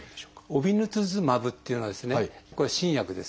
オビヌツズマブっていうのはこれは新薬です。